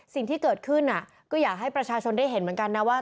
สิ่งที่เกิดขึ้นก็อยากให้ประชาชนได้เห็นเหมือนกันนะว่า